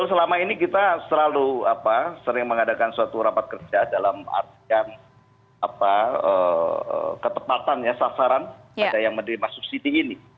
betul selama ini kita selalu sering mengadakan suatu rapat kerja dalam artian ketepatan sasaran pada yang mendiri masuk siti ini